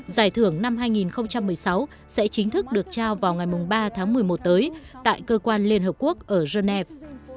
giải thưởng năm hai nghìn một mươi sáu sẽ chính thức được trao vào ngày ba tháng một mươi một tới tại cơ quan liên hợp quốc ở genève